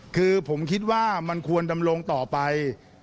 คือผมคิดว่ามันควรดำรงต่อไป